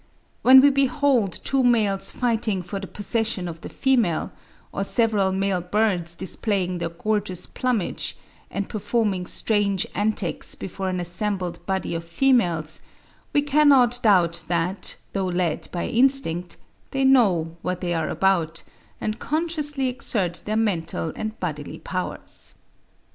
When we behold two males fighting for the possession of the female, or several male birds displaying their gorgeous plumage, and performing strange antics before an assembled body of females, we cannot doubt that, though led by instinct, they know what they are about, and consciously exert their mental and bodily powers.